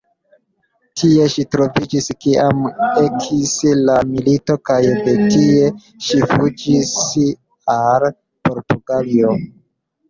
Tie ŝi troviĝis kiam ekis la milito, kaj de tie ŝi fuĝis al Portugalio.